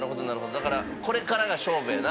だからこれからが勝負やな。